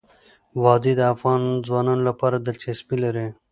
وادي د افغان ځوانانو لپاره دلچسپي لري.